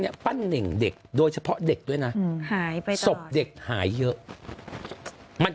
ปั้นเน่งเด็กโดยเฉพาะเด็กด้วยนะหายไปศพเด็กหายเยอะมัน